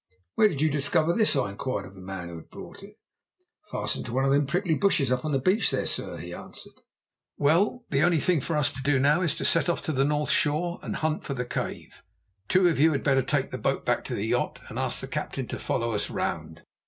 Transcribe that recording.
"Where did you discover this?" I inquired of the man who had brought it. "Fastened to one of them prickly bushes up on the beach there, sir," he answered. "Well, the only thing for us to do now is to set off to the north shore and hunt for the cave. Two of you had better take the boat back to the yacht and ask the captain to follow us round."